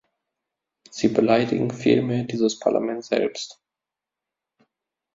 Sie beleidigen vielmehr dieses Parlament selbst.